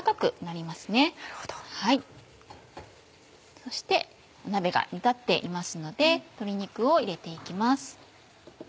そして鍋が煮立っていますので鶏肉を入れて行きます。